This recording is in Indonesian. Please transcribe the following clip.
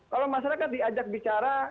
kalau masyarakat diajak bicara